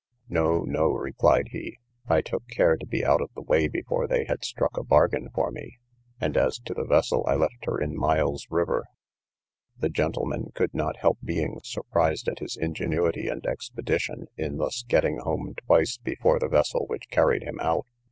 No, no, replied he, I took care to be out of the way before they had struck a bargain for me; and, as to the vessel, I left her in Miles river. The gentlemen could not help being surprised at his ingenuity and expedition, in thus getting home twice before the vessel which carried him out.